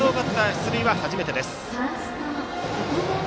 出塁は初めてです。